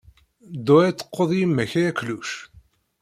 Ddu ad teqqud yemma-k a akluc.